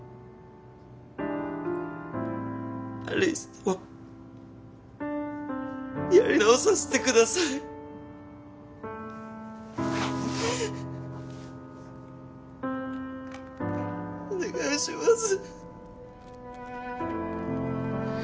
有栖とやり直させてくださいお願いします